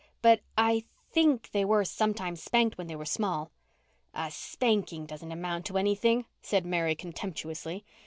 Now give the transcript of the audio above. But I think they were sometimes spanked when they were small." "A spanking doesn't amount to anything," said Mary contemptuously.